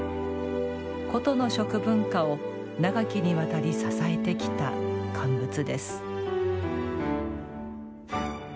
古都の食文化を長きにわたり支えてきた乾物です。